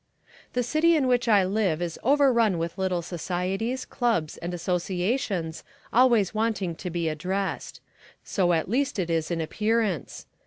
The city in which I live is overrun with little societies, clubs and associations, always wanting to be addressed. So at least it is in appearance.